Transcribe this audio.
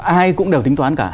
ai cũng đều tính toán cả